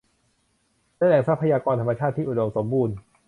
และแหล่งทรัพยากรธรรมชาติที่อุดมสมบูรณ์